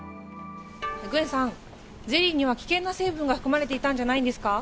グエンさん、危険な成文が含まれてたんじゃないんですか。